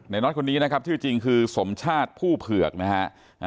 น้อยคนนี้นะครับชื่อจริงคือสมชาติผู้เผือกนะฮะ